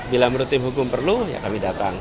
bila menurut tim hukum perlu ya kami datang